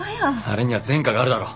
あれには前科があるだろ。